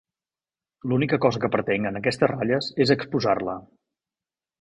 L'única cosa que pretenc en aquestes ratlles és exposar-la.